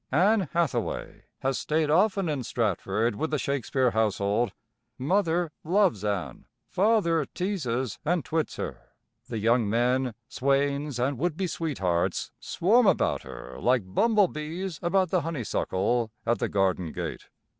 Ann Hathaway has stayed often in Stratford with the Shakespeare household. Mother loves Ann; Father teases and twits her; the young men, swains and would be sweethearts, swarm about her like bumblebees about the honeysuckle at the garden gate.